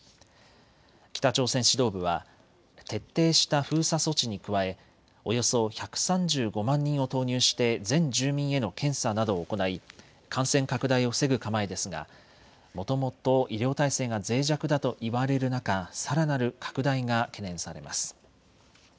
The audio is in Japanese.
北朝鮮指導部は徹底した封鎖措置に加えおよそ１３５万人を投入して全住民への検査などを行い感染拡大を防ぐ構えですがもともと医療体制がぜい弱だといわれる中、さらなる拡大が懸念されます。